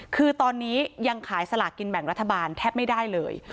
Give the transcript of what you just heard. คือตอนนี้ยังขายสลากกินแบ่งรัฐบาลแทบไม่ได้เลย